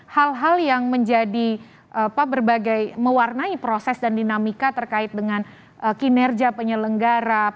hal hal yang menjadi berbagai mewarnai proses dan dinamika terkait dengan kinerja penyelenggara